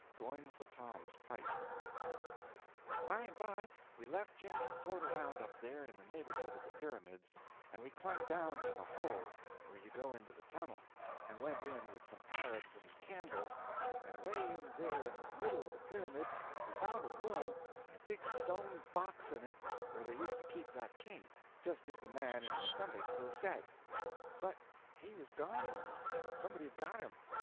GOING FOR TOM'S PIPE: By and by we left Jim to float around up there in the neighborhood of the pyramids, and we clumb down to the hole where you go into the tunnel, and went in with some Arabs and candles, and away in there in the middle of the pyramid we found a room and a big stone box in it where they used to keep that king, just as the man in the Sunday school said; but he was gone, now; somebody had got him.